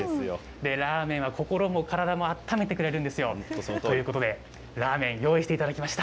ラーメンは心も体もあっためてくれるんですよ。ということでラーメン、用意していただきました。